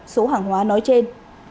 số hàng hóa nói trên